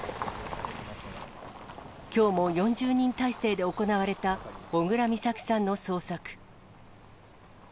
きょうも４０人態勢で行われた小倉美咲さんの捜索。